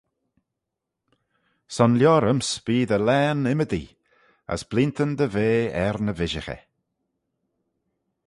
Son liorym's bee dty laghyn ymmodee, as bleeantyn dty vea er ny vishaghey.